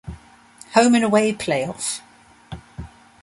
Home and away playoff.